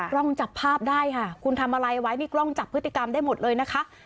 กล้องจับภาพได้ค่ะคุณทำอะไรไว้นี่กล้องจับพฤติกรรมได้หมดเลยนะคะ